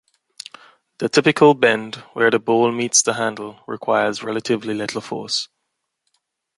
The typical bend, where the bowl meets the handle, requires relatively little force.